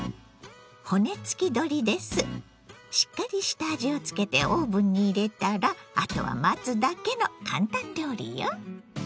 しっかり下味をつけてオーブンに入れたらあとは待つだけのカンタン料理よ。